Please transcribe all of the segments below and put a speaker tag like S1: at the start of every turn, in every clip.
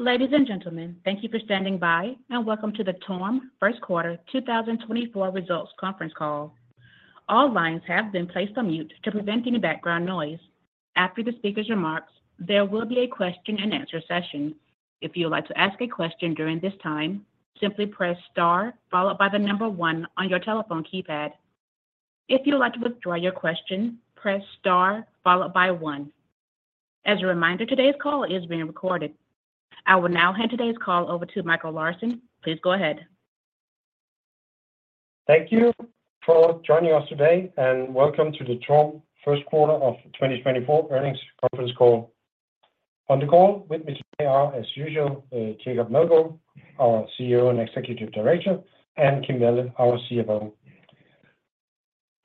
S1: Ladies and gentlemen, thank you for standing by and welcome to the TORM First Quarter 2024 Results Conference Call. All lines have been placed on mute to prevent any background noise. After the speaker's remarks, there will be a question-and-answer session. If you would like to ask a question during this time, simply press star followed by the number one on your telephone keypad. If you would like to withdraw your question, press star followed by one. As a reminder, today's call is being recorded. I will now hand today's call over to Mikael Larsen. Please go ahead.
S2: Thank you for joining us today, and welcome to the TORM First Quarter of 2024 Earnings Conference Call. On the call with me today are, as usual, Jacob Meldgaard, our CEO and Executive Director, and Kim Balle, our CFO.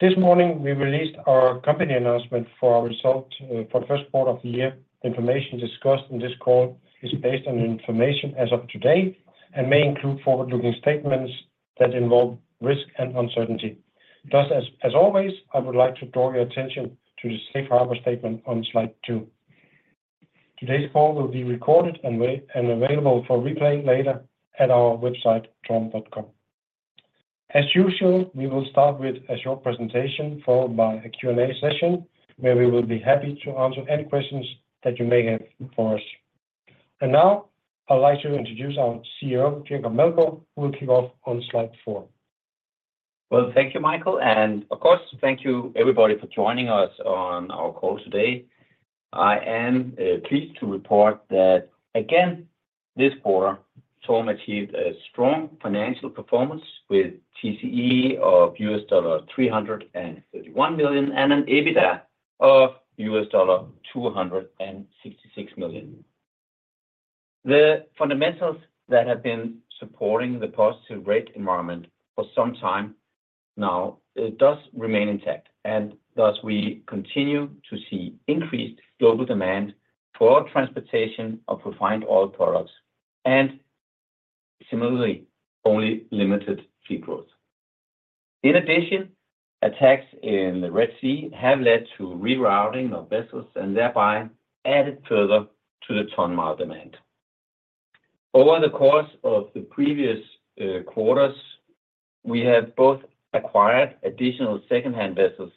S2: This morning we released our company announcement for our result for the first quarter of the year. The information discussed in this call is based on information as of today and may include forward-looking statements that involve risk and uncertainty. Thus, as always, I would like to draw your attention to the Safe Harbor statement on slide two. Today's call will be recorded and available for replay later at our website, TORM.com. As usual, we will start with a short presentation followed by a Q&A session where we will be happy to answer any questions that you may have for us. Now I'd like to introduce our CEO, Jacob Meldgaard, who will kick off on slide 4.
S3: Well, thank you, Mikael. And of course, thank you everybody for joining us on our call today. I am pleased to report that, again, this quarter, TORM achieved a strong financial performance with TCE of $331 million and an EBITDA of $266 million. The fundamentals that have been supporting the positive rate environment for some time now does remain intact, and thus we continue to see increased global demand for transportation of refined oil products and, similarly, only limited fleet growth. In addition, attacks in the Red Sea have led to rerouting of vessels and thereby added further to the tonne-mile demand. Over the course of the previous quarters, we have both acquired additional second-hand vessels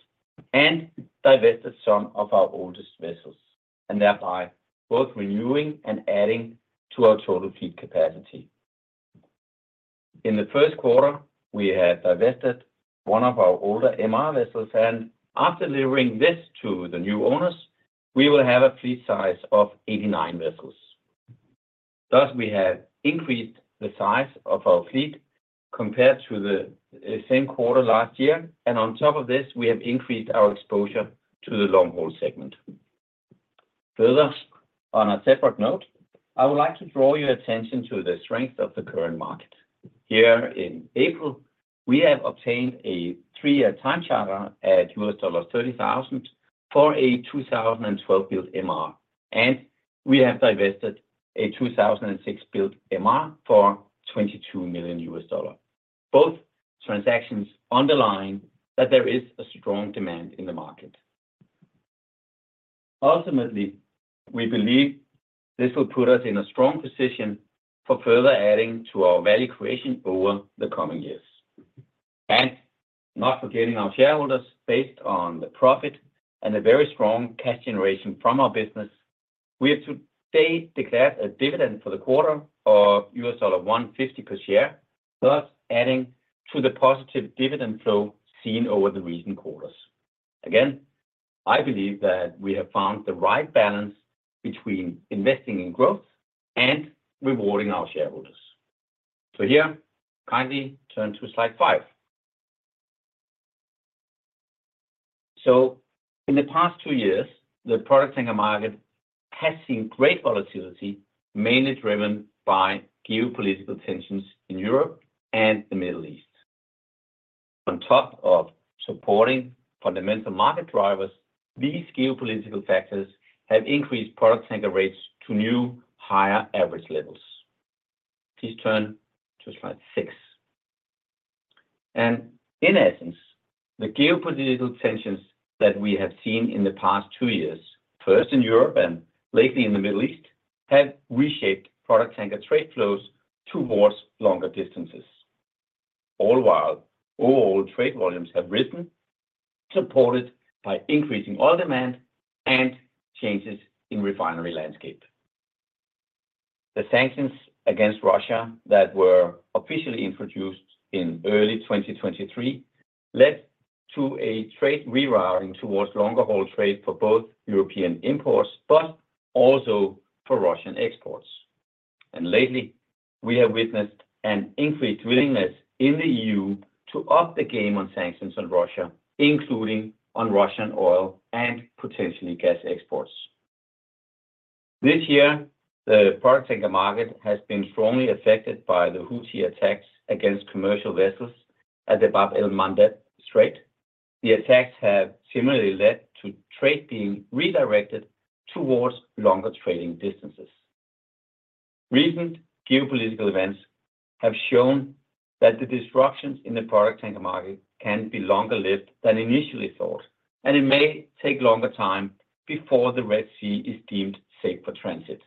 S3: and divested some of our oldest vessels, and thereby both renewing and adding to our total fleet capacity. In the first quarter, we have divested one of our older MR vessels, and after delivering this to the new owners, we will have a fleet size of 89 vessels. Thus, we have increased the size of our fleet compared to the same quarter last year, and on top of this, we have increased our exposure to the long-haul segment. Further, on a separate note, I would like to draw your attention to the strength of the current market. Here in April, we have obtained a 3-year time charter at $30,000 for a 2012-built MR, and we have divested a 2006-built MR for $22 million, both transactions underlying that there is a strong demand in the market. Ultimately, we believe this will put us in a strong position for further adding to our value creation over the coming years. Not forgetting our shareholders, based on the profit and the very strong cash generation from our business, we have today declared a dividend for the quarter of $1.50 per share, thus adding to the positive dividend flow seen over the recent quarters. Again, I believe that we have found the right balance between investing in growth and rewarding our shareholders. Here, kindly turn to slide 5. In the past two years, the product tanker market has seen great volatility, mainly driven by geopolitical tensions in Europe and the Middle East. On top of supporting fundamental market drivers, these geopolitical factors have increased product tanker rates to new higher average levels. Please turn to slide 6. In essence, the geopolitical tensions that we have seen in the past two years, first in Europe and lately in the Middle East, have reshaped product tanker trade flows towards longer distances, all while overall trade volumes have risen, supported by increasing oil demand and changes in refinery landscape. The sanctions against Russia that were officially introduced in early 2023 led to a trade rerouting towards longer-haul trade for both European imports but also for Russian exports. Lately, we have witnessed an increased willingness in the EU to up the game on sanctions on Russia, including on Russian oil and potentially gas exports. This year, the product tanker market has been strongly affected by the Houthi attacks against commercial vessels at the Bab el-Mandeb Strait. The attacks have similarly led to trade being redirected towards longer trading distances. Recent geopolitical events have shown that the disruptions in the product tanker market can be longer-lived than initially thought, and it may take longer time before the Red Sea is deemed safe for transit.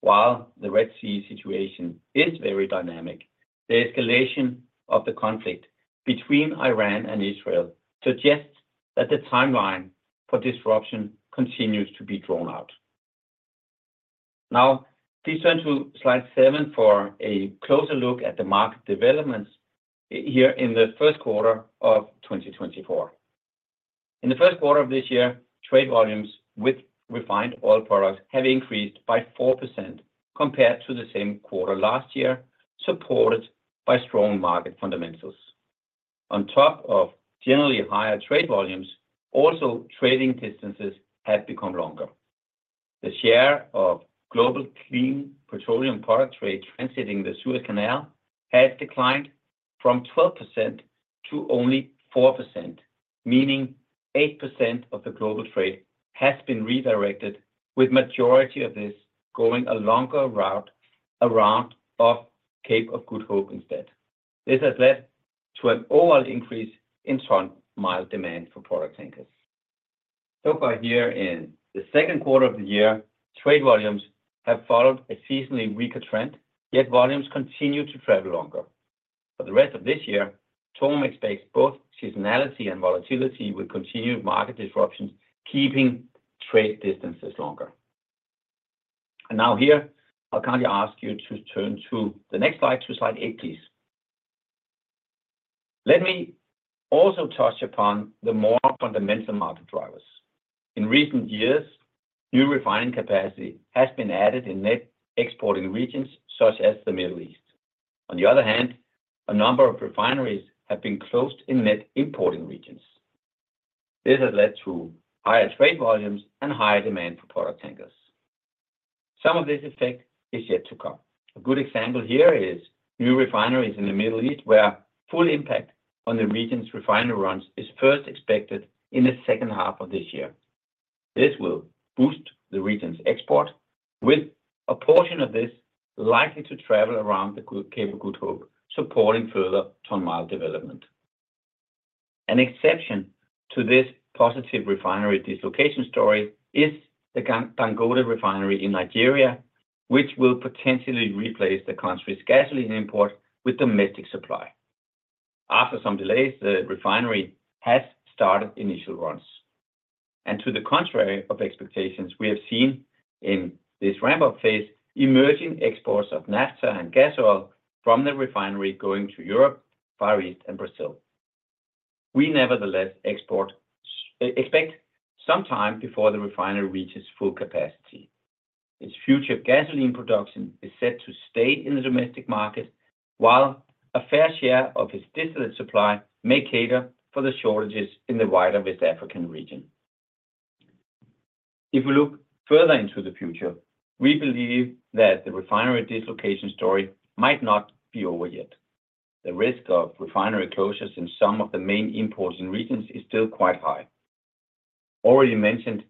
S3: While the Red Sea situation is very dynamic, the escalation of the conflict between Iran and Israel suggests that the timeline for disruption continues to be drawn out. Now, please turn to slide 7 for a closer look at the market developments here in the first quarter of 2024. In the first quarter of this year, trade volumes with refined oil products have increased by 4% compared to the same quarter last year, supported by strong market fundamentals. On top of generally higher trade volumes, also trading distances have become longer. The share of global clean petroleum product trade transiting the Suez Canal has declined from 12% to only 4%, meaning 8% of the global trade has been redirected, with the majority of this going a longer route around Cape of Good Hope instead. This has led to an overall increase in tonne-mile demand for product tankers. So far here in the second quarter of the year, trade volumes have followed a seasonally weaker trend, yet volumes continue to travel longer. For the rest of this year, TORM expects both seasonality and volatility with continued market disruptions keeping trade distances longer. And now here, I'll kindly ask you to turn to the next slide, to slide 8, please. Let me also touch upon the more fundamental market drivers. In recent years, new refining capacity has been added in net exporting regions such as the Middle East. On the other hand, a number of refineries have been closed in net importing regions. This has led to higher trade volumes and higher demand for product tankers. Some of this effect is yet to come. A good example here is new refineries in the Middle East, where full impact on the region's refinery runs is first expected in the second half of this year. This will boost the region's export, with a portion of this likely to travel around Cape of Good Hope, supporting further tonne-mile development. An exception to this positive refinery dislocation story is the Dangote refinery in Nigeria, which will potentially replace the country's gasoline import with domestic supply. After some delays, the refinery has started initial runs. To the contrary of expectations, we have seen in this ramp-up phase emerging exports of naphtha and gas oil from the refinery going to Europe, Far East, and Brazil. We nevertheless expect some time before the refinery reaches full capacity. Its future gasoline production is set to stay in the domestic market, while a fair share of its distillate supply may cater for the shortages in the wider West African region. If we look further into the future, we believe that the refinery dislocation story might not be over yet. The risk of refinery closures in some of the main importing regions is still quite high. Already mentioned,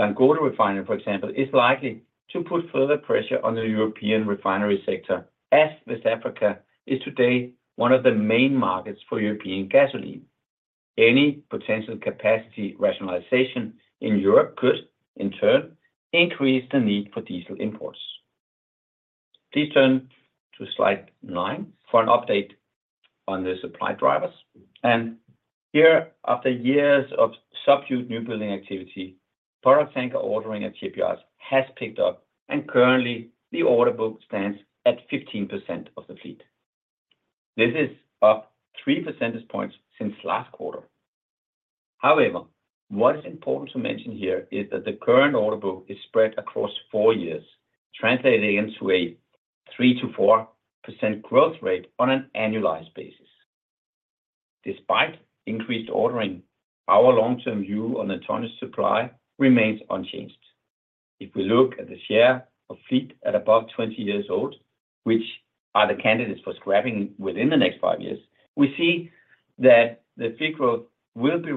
S3: Dangote Refinery, for example, is likely to put further pressure on the European refinery sector, as West Africa is today one of the main markets for European gasoline. Any potential capacity rationalization in Europe could, in turn, increase the need for diesel imports. Please turn to slide 9 for an update on the supply drivers. Here, after years of subdued newbuilding activity, product tanker ordering at LRs has picked up, and currently the order book stands at 15% of the fleet. This is up 3 percentage points since last quarter. However, what is important to mention here is that the current order book is spread across 4 years, translating into a 3%-4% growth rate on an annualized basis. Despite increased ordering, our long-term view on tonnage supply remains unchanged. If we look at the share of fleet at above 20 years old, which are the candidates for scrapping within the next 5 years, we see that the fleet growth will be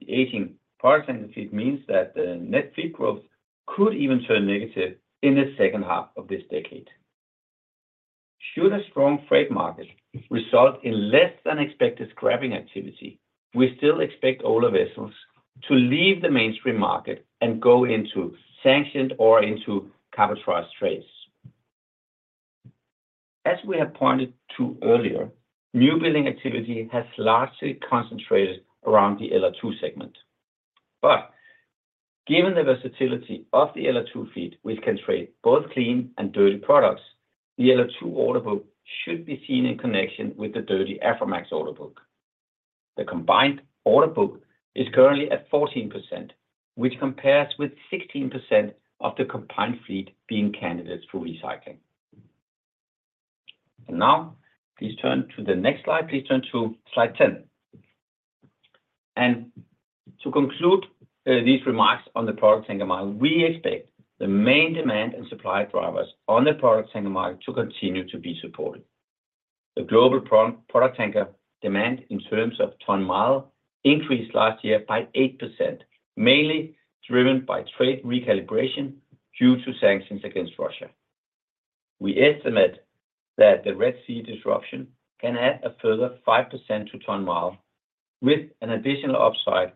S3: relatively balanced. The aging product tanker fleet means that the net fleet growth could even turn negative in the second half of this decade. Should a strong freight market result in less-than-expected scrapping activity, we still expect older vessels to leave the mainstream market and go into sanctioned or into cabotage trades. As we have pointed to earlier, newbuilding activity has largely concentrated around the LR2 segment. But given the versatility of the LR2 fleet, which can trade both clean and dirty products, the LR2 order book should be seen in connection with the dirty Aframax order book. The combined order book is currently at 14%, which compares with 16% of the combined fleet being candidates for recycling. And now, please turn to the next slide. Please turn to slide 10. To conclude these remarks on the product tanker mile, we expect the main demand and supply drivers on the product tanker mile to continue to be supported. The global product tanker demand in terms of tonne-mile increased last year by 8%, mainly driven by trade recalibration due to sanctions against Russia. We estimate that the Red Sea disruption can add a further 5% to tonne-mile, with an additional upside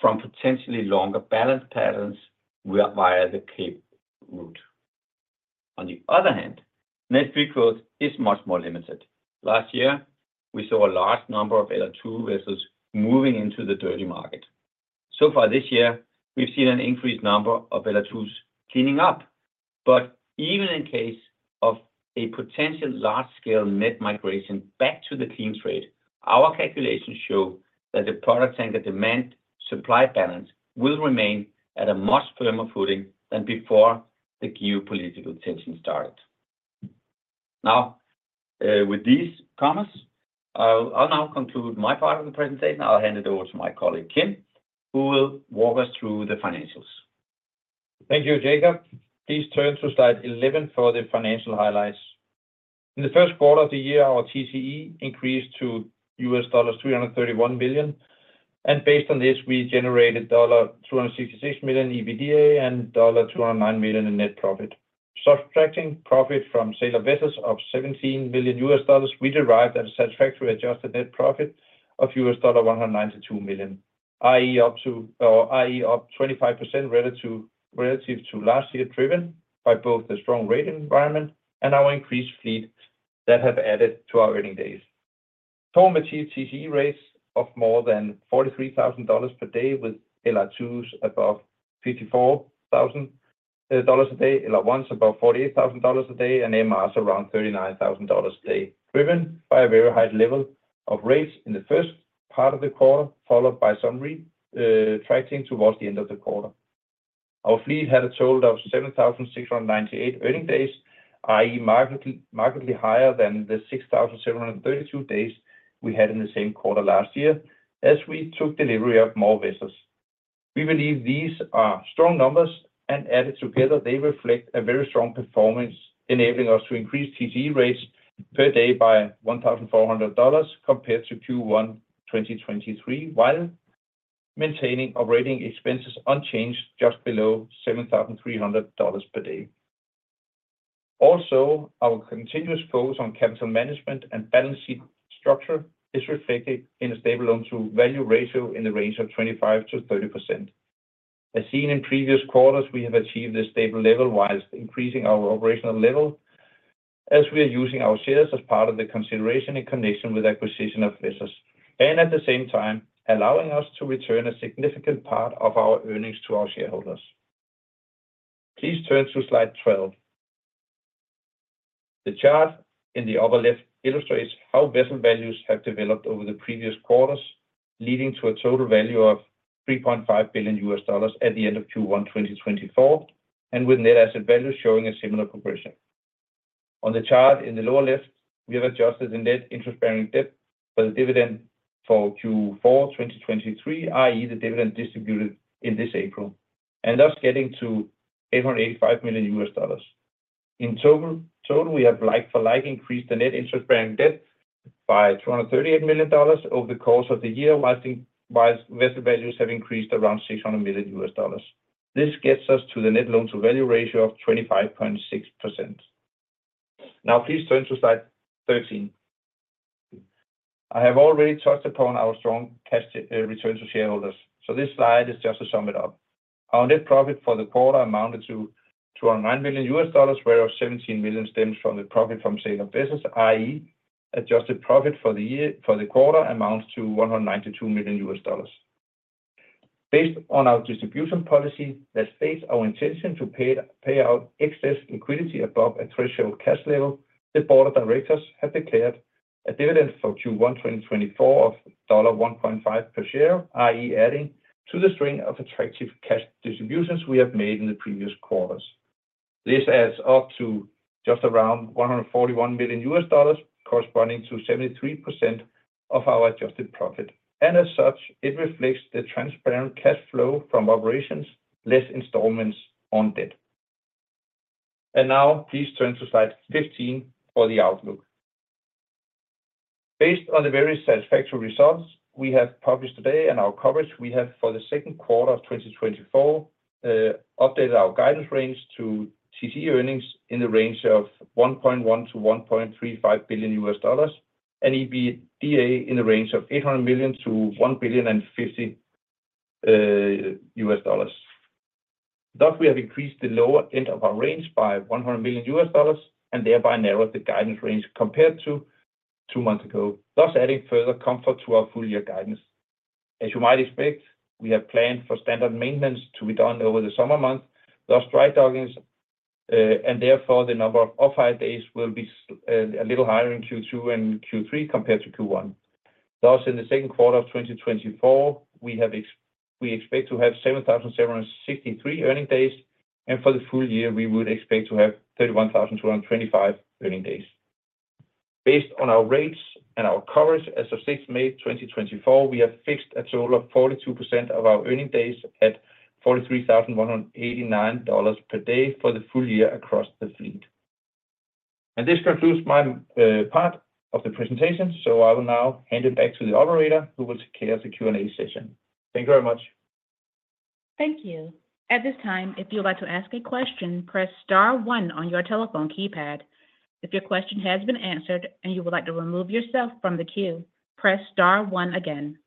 S3: from potentially longer ballast patterns via the Cape route. On the other hand, net fleet growth is much more limited. Last year, we saw a large number of LR2 vessels moving into the dirty market. So far this year, we've seen an increased number of LR2s cleaning up. But even in case of a potential large-scale net migration back to the clean trade, our calculations show that the product tanker demand-supply balance will remain at a much firmer footing than before the geopolitical tensions started. Now, with these comments, I'll now conclude my part of the presentation. I'll hand it over to my colleague, Kim, who will walk us through the financials.
S4: Thank you, Jacob. Please turn to slide 11 for the financial highlights. In the first quarter of the year, our TCE increased to $331 million, and based on this, we generated $266 million EBITDA and $209 million in net profit. Subtracting profit from sale of vessels of $17 million, we arrived at a satisfactory adjusted net profit of $192 million, i.e., up 25% relative to last year driven by both the strong rate environment and our increased fleet that have added to our earning days. TORM achieved TCE rates of more than $43,000 per day, with LR2s above $54,000 a day, LR1s above $48,000 a day, and MRs around $39,000 a day, driven by a very high level of rates in the first part of the quarter, followed by some retracting towards the end of the quarter. Our fleet had a total of 7,698 earning days, i.e., markedly higher than the 6,732 days we had in the same quarter last year as we took delivery of more vessels. We believe these are strong numbers, and added together, they reflect a very strong performance, enabling us to increase TCE rates per day by $1,400 compared to Q1 2023 while maintaining operating expenses unchanged just below $7,300 per day. Also, our continuous focus on capital management and balance sheet structure is reflected in a stable loan-to-value ratio in the range of 25%-30%. As seen in previous quarters, we have achieved this stable level while increasing our operational level as we are using our shares as part of the consideration in connection with acquisition of vessels, and at the same time, allowing us to return a significant part of our earnings to our shareholders. Please turn to slide 12. The chart in the upper left illustrates how vessel values have developed over the previous quarters, leading to a total value of $3.5 billion at the end of Q1 2024, and with net asset values showing a similar progression. On the chart in the lower left, we have adjusted the net interest-bearing debt for the dividend for Q4 2023, i.e., the dividend distributed in this April, and thus getting to $885 million. In total, we have like-for-like increased the net interest-bearing debt by $238 million over the course of the year while vessel values have increased around $600 million. This gets us to the net loan-to-value ratio of 25.6%. Now, please turn to slide 13. I have already touched upon our strong return to shareholders, so this slide is just to sum it up. Our net profit for the quarter amounted to $209 million, whereas $17 million stems from the profit from sale of vessels, i.e., adjusted profit for the quarter amounts to $192 million. Based on our distribution policy that states our intention to pay out excess liquidity above a threshold cash level, the board of directors have declared a dividend for Q1 2024 of $1.5 per share, i.e., adding to the string of attractive cash distributions we have made in the previous quarters. This adds up to just around $141 million, corresponding to 73% of our adjusted profit. And as such, it reflects the transparent cash flow from operations, less installments on debt. And now, please turn to slide 15 for the outlook. Based on the very satisfactory results we have published today and our coverage we have for the second quarter of 2024, updated our guidance range to TCE earnings in the range of $1.1-$1.35 billion, and EBITDA in the range of $800 million to $1.5 billion. Thus, we have increased the lower end of our range by $100 million and thereby narrowed the guidance range compared to two months ago, thus adding further comfort to our full-year guidance. As you might expect, we have planned for standard maintenance to be done over the summer months, thus dry dockings, and therefore the number of off-hire days will be a little higher in Q2 and Q3 compared to Q1. Thus, in the second quarter of 2024, we expect to have 7,763 earning days, and for the full year, we would expect to have 31,225 earning days.
S2: Based on our rates and our coverage, as of 6 May 2024, we have fixed a total of 42% of our earning days at $43,189 per day for the full year across the fleet. This concludes my part of the presentation, so I will now hand it back to the operator, who will chair the Q&A session. Thank you very much.
S1: Thank you. At this time, if you would like to ask a question, press star one on your telephone keypad. If your question has been answered and you would like to remove yourself from the queue, press star one again.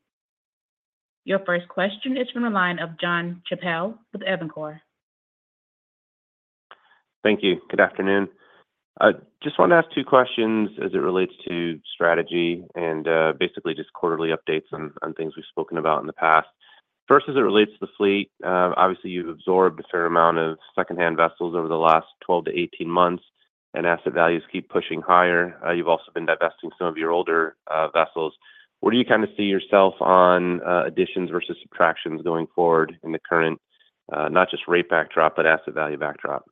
S1: Your first question is from the line of Jonathan Chappell with Evercore ISI.
S5: Thank you. Good afternoon. I just want to ask two questions as it relates to strategy and basically just quarterly updates on things we've spoken about in the past. First, as it relates to the fleet, obviously, you've absorbed a fair amount of secondhand vessels over the last 12-18 months, and asset values keep pushing higher. You've also been divesting some of your older vessels. Where do you kind of see yourself on additions versus subtractions going forward in the current, not just rate backdrop, but asset value backdrop?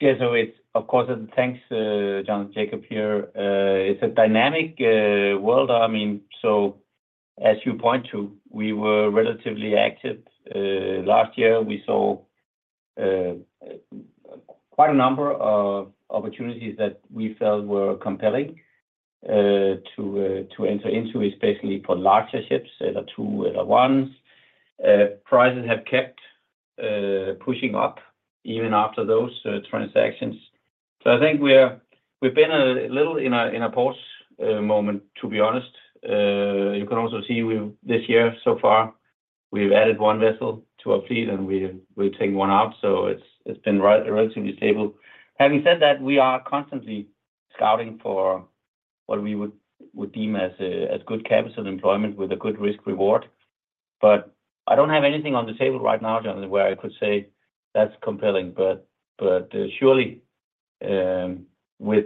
S3: Yeah. So of course, thanks, John. Jacob here. It's a dynamic world. I mean, so as you point to, we were relatively active. Last year, we saw quite a number of opportunities that we felt were compelling to enter into, especially for larger ships, LR2, LR1s. Prices have kept pushing up even after those transactions. So I think we've been a little in a pause moment, to be honest. You can also see this year, so far, we've added one vessel to our fleet, and we'll take one out. So it's been relatively stable. Having said that, we are constantly scouting for what we would deem as good capital employment with a good risk-reward. But I don't have anything on the table right now, John, where I could say that's compelling. But surely, with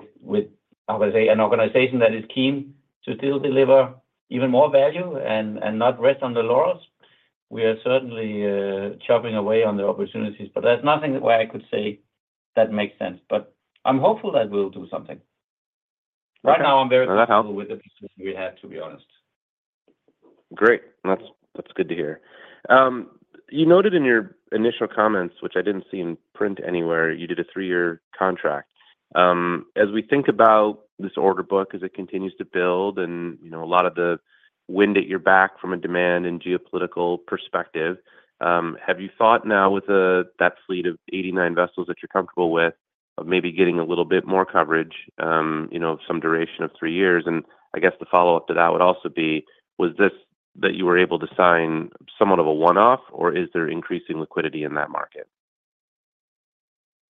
S3: how can I say an organization that is keen to still deliver even more value and not rest on the laurels, we are certainly chopping away on the opportunities. But there's nothing where I could say that makes sense. But I'm hopeful that we'll do something. Right now, I'm very comfortable with the position we have, to be honest.
S5: Great. That's good to hear. You noted in your initial comments, which I didn't see in print anywhere, you did a 3-year contract. As we think about this order book, as it continues to build and a lot of the wind at your back from a demand and geopolitical perspective, have you thought now with that fleet of 89 vessels that you're comfortable with of maybe getting a little bit more coverage of some duration of 3 years? And I guess the follow-up to that would also be, was this that you were able to sign somewhat of a one-off, or is there increasing liquidity in that market?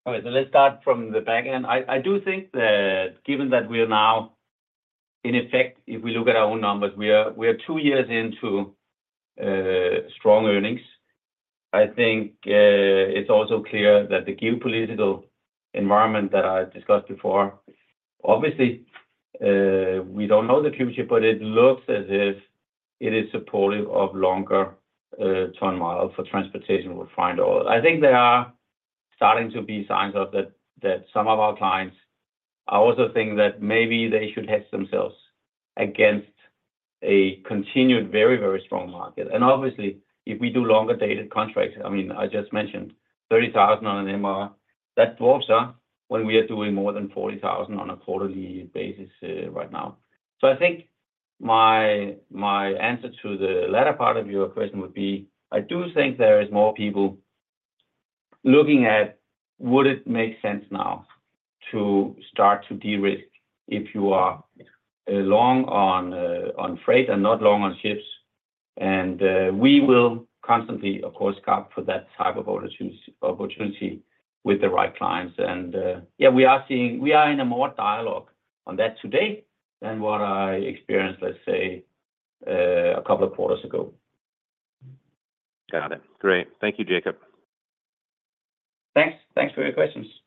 S3: All right. So let's start from the back end. I do think that given that we are now, in effect, if we look at our own numbers, we are two years into strong earnings. I think it's also clear that the geopolitical environment that I discussed before, obviously, we don't know the future, but it looks as if it is supportive of longer tonne-mile for transportation refined oil. I think there are starting to be signs of that some of our clients also think that maybe they should hedge themselves against a continued very, very strong market. And obviously, if we do longer-dated contracts, I mean, I just mentioned 30,000 on an MR, that dwarfs us when we are doing more than 40,000 on a quarterly basis right now. So, I think my answer to the latter part of your question would be, I do think there is more people looking at, would it make sense now to start to de-risk if you are long on freight and not long on ships? And we will constantly, of course, scout for that type of opportunity with the right clients. And yeah, we are seeing we are in a more dialogue on that today than what I experienced, let's say, a couple of quarters ago.
S5: Got it. Great. Thank you, Jacob.
S3: Thanks. Thanks for your questions.